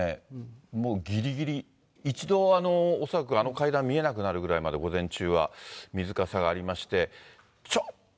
もうぎりぎり、一度、恐らくあの階段が見えなくなるぐらいまで水かさがありまして、ちょっと。